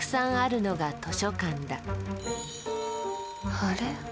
あれ？